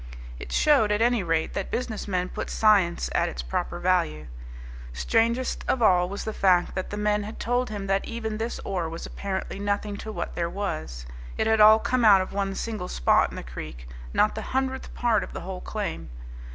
It showed, at any rate, that businessmen put science at its proper value. Strangest of all was the fact that the men had told him that even this ore was apparently nothing to what there was; it had all come out of one single spot in the creek, not the hundredth part of the whole claim.